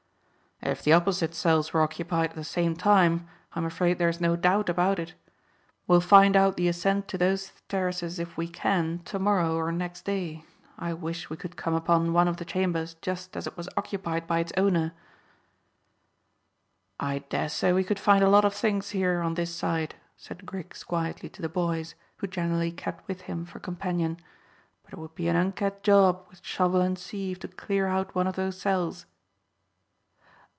"If the opposite cells were occupied at the same time I'm afraid there is no doubt about it. We'll find out the ascent to those terraces, if we can, to morrow or next day. I wish we could come upon one of the chambers just as it was occupied by its owner." "I dessay we could find a lot of things here on this side," said Griggs quietly to the boys, who generally kept with him for companion, "but it would be an unked job with shovel and sieve to clear out one of those cells."